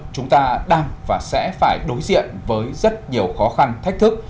chúng ta đang và sẽ phải đối diện với rất nhiều khó khăn thách thức